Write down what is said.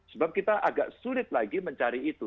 sebab kita agak sulit lagi mencari itu